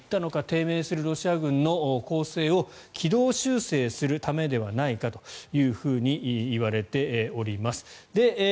低迷するロシア軍の攻勢を軌道修正するためではないかといわれております。